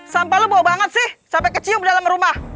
sampa lu bau banget sih sampe kecium dalem rumah